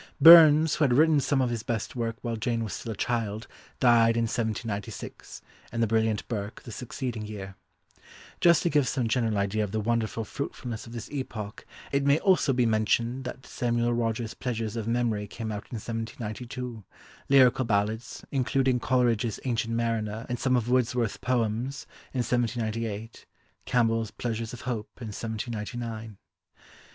Burns, who had written some of his best work while Jane was still a child, died in 1796, and the brilliant Burke the succeeding year. Just to give some general idea of the wonderful fruitfulness of this epoch it may also be mentioned that Samuel Rogers' Pleasures of Memory came out in 1792; Lyrical Ballads, including Coleridge's Ancient Mariner and some of Wordsworth's poems, in 1798; Campbell's Pleasures of Hope in 1799.